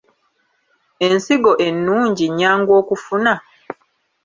Ensigo ennungi nnyangu okufuna?